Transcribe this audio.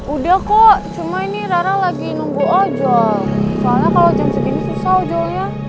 udah kok cuma ini rara lagi nunggu ojol soalnya kalau jam segini susah ojo